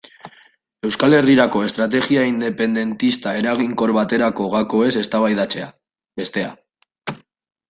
Euskal Herrirako estrategia independentista eraginkor baterako gakoez eztabaidatzea, bestea.